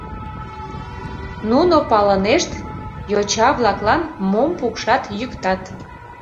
Нуно палынешт: йоча-влаклан мом пукшат-йӱктат...